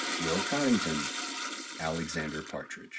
"WILL COTTINGTON. "ALICXSANDER PARTRIDG."